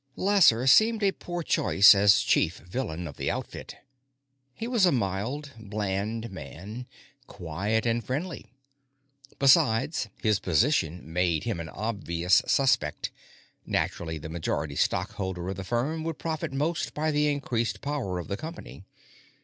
Lasser seemed like a poor choice as chief villain of the outfit; he was a mild, bland man, quiet and friendly. Besides, his position made him an obvious suspect; naturally, the majority stockholder of the firm would profit most by the increased power of the company.